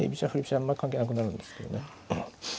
あんまり関係なくなるんですけどね。